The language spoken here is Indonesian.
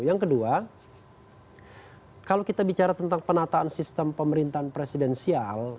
yang kedua kalau kita bicara tentang penataan sistem pemerintahan presidensial